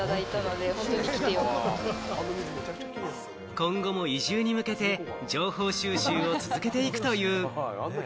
今後も移住に向けて情報収集を続けていくという。